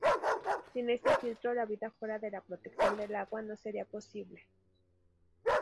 Sin ese filtro, la vida fuera de la protección del agua no sería posible.